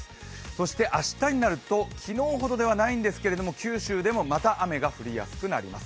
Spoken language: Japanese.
そして明日になると昨日ほどではないんですけど九州でもまた雨が降りやすくなります。